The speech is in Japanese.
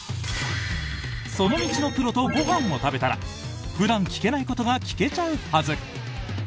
その道のプロとご飯を食べたら普段聞けないことが聞けちゃうはず！